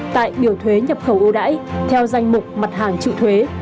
tại biểu thuế nhập khẩu ưu đãi theo danh mục mặt hàng trự thuế